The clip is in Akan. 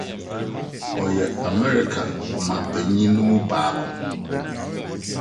Ɔyɛ Amerika ɔmampanyin no mu biako.